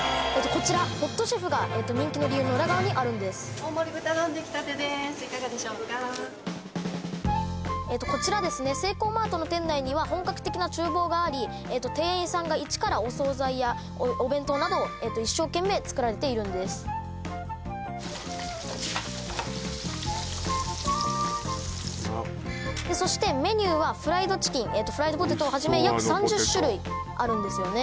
こちらホットシェフが人気の理由の裏側にあるんですいかがでしょうかこちらはですねセイコーマートの店内には本格的な厨房があり店員さんがいちからお惣菜やお弁当などを一生懸命作られているんですそしてメニューはフライドチキンフライドポテトをはじめ約３０種類あるんですよね